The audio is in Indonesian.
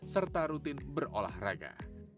serta rutin berolah raga